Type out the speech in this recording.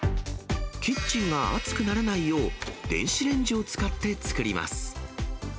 キッチンが暑くならないよう、電子レンジを使って作ります。